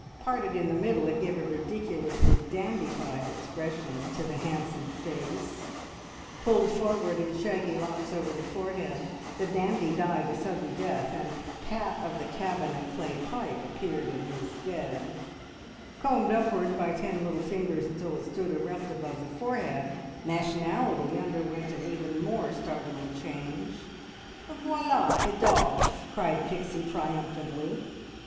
Parted in the middle, it gave a ridiculously dandified expression to the handsome face; pulled forward in shaggy locks over the forehead, the dandy died a sudden death, and Pat of the cabin and clay pipe appeared in his stead; combed upward by ten little fingers until it stood erect above the forehead, nationality underwent an even more startling change. "Voila, Adolph!" cried Pixie triumphantly.